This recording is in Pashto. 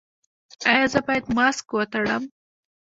ایا زه باید ماسک وتړم؟